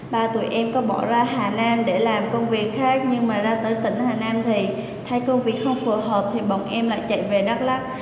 ba tụi em có bỏ ra hà nam để làm công việc khác nhưng mà ra tới tỉnh hà nam thì thay công việc không phù hợp thì bọn em lại chạy về đắk lắc